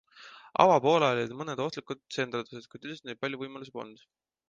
Avapoolajal olid mõned ohtlikud tsenderdused, kuid üldiselt neil palju võimalusi polnud.